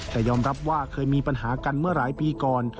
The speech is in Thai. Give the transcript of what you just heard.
แต่ยอมรับว่าเคยมีปัญหากันเมื่อหลายปีก่อน